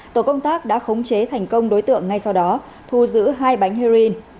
tổ công tác đã khống chế thành công đối tượng ngay sau đó thu giữ hai bánh heroin